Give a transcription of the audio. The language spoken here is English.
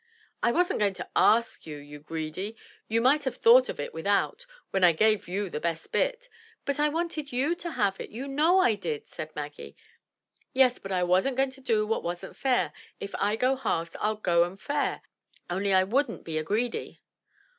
" "I wasn't going to ask you, you greedy. You might have thought of it without, when I gave you the best bit." "But I wanted you to have it; you know I did," said Maggie. "Yes, but I wasn't going to do what wasn't fair. If I go halves, I'll go'em fair; only I wouldn't be a greedy."